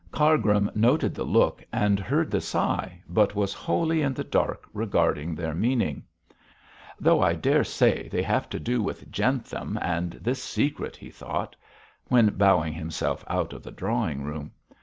Cargrim noted the look and heard the sigh, but was wholly in the dark regarding their meaning. 'Though I daresay they have to do with Jentham and this secret,' he thought, when bowing himself out of the drawing room.